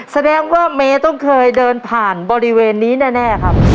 แสดงว่าเมย์ต้องเคยเดินผ่านบริเวณนี้แน่ครับ